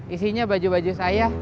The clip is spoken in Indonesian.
isinya baju baju saya